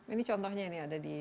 ini contohnya ini ada di